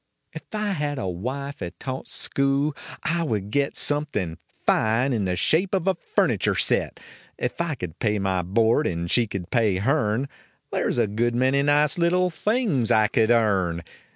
If I had a wife at taught school I would get Something fine in the shape of a furniture set; If I could pay my board and she could pay hern. There s a good many nice little things I could earn.